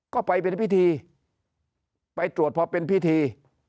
ก็ไปเป็นพิธีไปตรวจพอเป็นพิธี